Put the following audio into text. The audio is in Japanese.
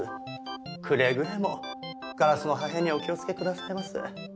くれぐれもガラスの破片にはお気をつけくださいませ。